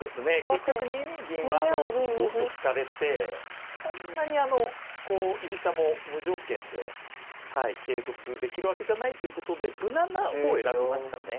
結局２二銀は１五歩と突かれてそんなにこう居飛車も無条件で桂得できるわけじゃないということで無難な方選びましたね。